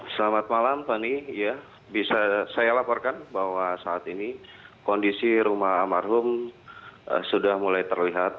selamat malam fandi saya laporkan bahwa saat ini kondisi rumah marhum sudah mulai terlihat